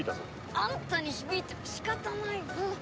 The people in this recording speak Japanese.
あんたに響いても仕方ないの！